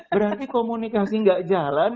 berarti komunikasi gak jalan